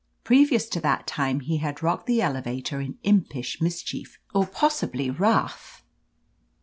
Previous to that time, he had rocked the elevator in imp ish mischief, or possibly wrath.